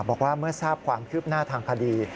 บอกว่าเมื่อทราบความคืบหน้าทางคดี